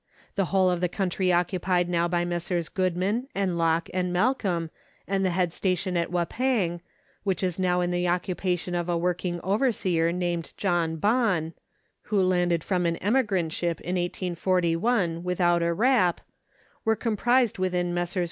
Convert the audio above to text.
The whole of the country occupied now by Messrs, Goodman, and Locke, and Malcolm, and the head station at " Wappang," which is now in the occupation of a working over seer named John Bon, who landed from an emigrant ship in 1841 without a rap, were comprised within Messrs.